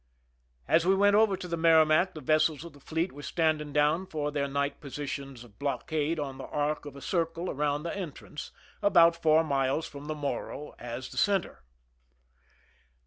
\ As we went over to the Merrimac the vessels of 1 the fleet were standing down for their night posi \ tions of blockade on the arc of a circle around the ' entrance, about four miles from the Morro as a center.